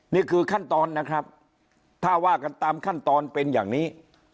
นี่คือขั้นตอนนะครับถ้าว่ากันตามขั้นตอนเป็นอย่างนี้